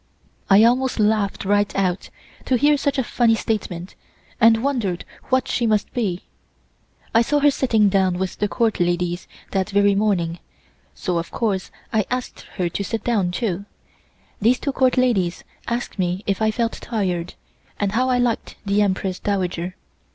I almost laughed right out, to hear such a funny statement, and wondered what she must be. I saw her sitting down with the Court ladies that very morning, so of course I asked her to sit down, too. These two Court ladies asked me if I felt tired, and how I liked the Empress Dowager.